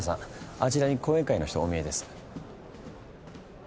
あちらに後援会の人お見えです。